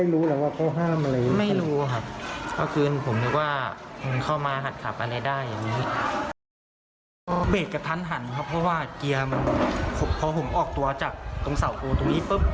อ๋อแล้วไม่รู้หรือว่าเขาห้ามอะไรอย่างนี้